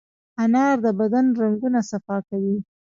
انار د بدن رګونه صفا کوي.